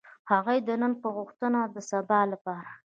هغوی د نن په غوښتنه د سبا لپاره.